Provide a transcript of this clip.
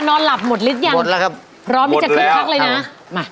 นอนหลับหมดหรือยังหมดแล้วครับพร้อมที่จะคึกคักเลยนะมา